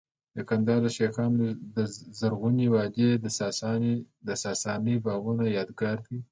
د کندهار د شیخانو د زرغونې وادۍ د ساساني باغونو یادګار دی